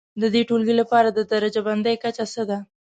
د دې ټولګي لپاره د درجه بندي کچه څه ده؟